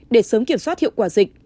để sớm kiểm soát hiệu quả dịch